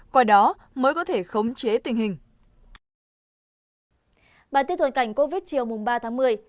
qua đó mới có thể khống chế tình hình